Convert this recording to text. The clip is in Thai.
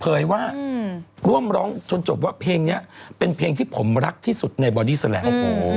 ว่าร่วมร้องจนจบว่าเพลงนี้เป็นเพลงที่ผมรักที่สุดในบอดี้แลม